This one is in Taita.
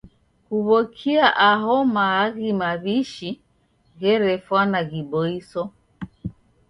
Kuw'okia aho maaghi maw'ishi gherefwana ghiboiso.